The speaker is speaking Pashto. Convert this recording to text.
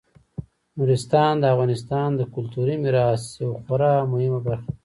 نورستان د افغانستان د کلتوري میراث یوه خورا مهمه برخه ده.